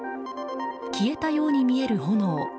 消えたように見える炎。